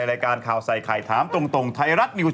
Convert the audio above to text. ตั้งใกล้คุณอ่อนแอขนาดนั้นเลยรึ